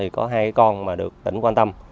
có hai con mà được tỉnh quan tâm